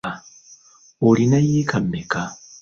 Olina yiika mmeka?